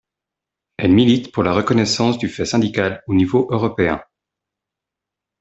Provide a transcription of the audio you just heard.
Elle milite pour la reconnaissance du fait syndical au niveau européen.